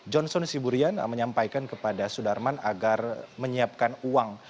johnson siburian menyampaikan kepada sudarman agar menyiapkan uang